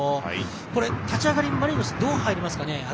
立ち上がりマリノスどう入りますかね。